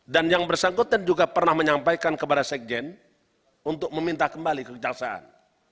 dan yang bersangkutan juga pernah menyampaikan kepada sekjen untuk meminta kembali ke kejaksaan